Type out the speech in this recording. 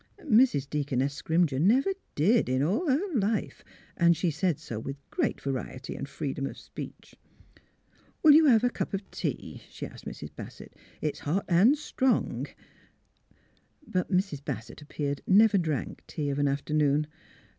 " Mrs. Deaconess Scrimger never did, in all lier life ; and she said so with great variety and free dom of speech. '' Will you have a cup of tea? " she asked Mrs. Bassett. " It's hot an' strong." But Mrs. Bassett, it appeared, never drank tea of an afternoon.